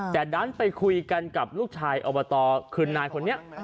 แต่ดันไปคุยกันกับลูกชายอบตคือนายคนนี้